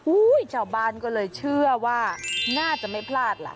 ชาวบ้านก็เลยเชื่อว่าน่าจะไม่พลาดล่ะ